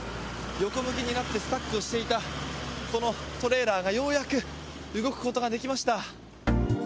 横向きになってスタックをしていたトレーラーがようやく動くことができました。